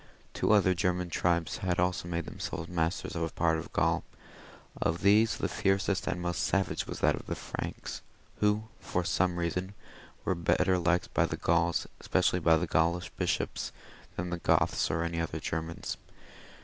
Two other German tribes had also made themselves masters of a part of Gaul ; of these the fiercest and most savage was that of the Franks, who, for some reason, were better liked by the Gauls, especially by the Gaulish bishops, than the Goths or any other Germans.